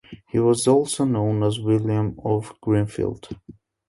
He was also known as William of Greenfield.